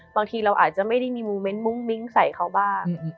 บางทีเราอาจจะไม่ได้มีโมเมนต์มุ้งมิ้งใส่เขาบ้าง